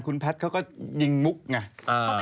คุณแพทย์เขาก็ยิงมุกไง